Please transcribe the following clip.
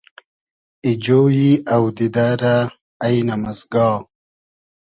ای جۉیی اۆدیدۂ رۂ اݷنئم از گا